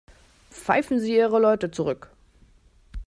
Pfeifen Sie Ihre Leute zurück.